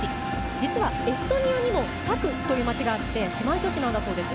実はエストニアにもサクという町があって姉妹都市なんだそうです。